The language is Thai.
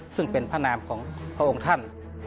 ซึ่งเป็นพระนามของพระองค์ท่าน